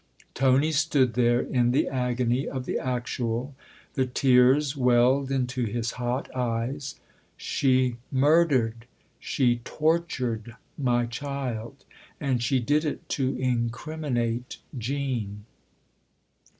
Tony stood there in the agony of the actual ; the tears welled into his hot eyes. " She murdered she tortured my child. And she did it to incriminate Jean."